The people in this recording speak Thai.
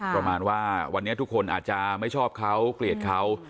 ประมาณว่าวันนี้ทุกคนอาจจะไม่ชอบเขาเกลียดเขา